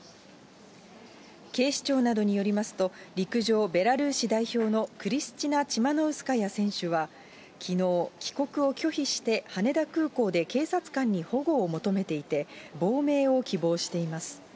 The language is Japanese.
警視庁などによりますと、陸上、ベラルーシ代表のクリスチナ・チマノウスカヤ選手は、きのう、帰国を拒否して羽田空港で警察官に保護を求めていて、亡命を希望しています。